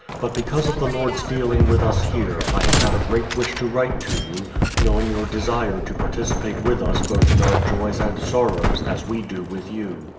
But because of the Lord's dealing with us here, I have had a great wish to write to you, knowing your desire to participate with us both in our joj's and sorrows, as we do with you.